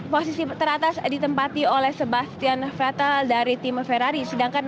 posisi teratas ditempati oleh sebastian vettel dari tim ferrari